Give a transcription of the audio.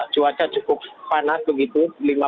cuaca cukup panas begitu